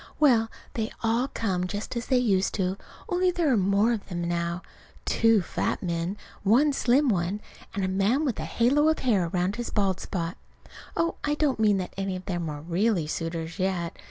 Well, they all come just as they used to, only there are more of them now two fat men, one slim one, and a man with a halo of hair round a bald spot. Oh, I don't mean that any of them are really suitors yet.